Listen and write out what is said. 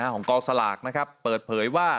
ของกสลากเปิดเผยว่า